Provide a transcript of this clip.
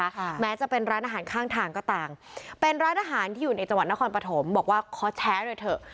ค่ะแม้จะเป็นร้านอาหารข้างทางก็ตามเป็นร้านอาหารที่อยู่ในจังหวัดนครปฐมบอกว่าขอแชร์หน่อยเถอะ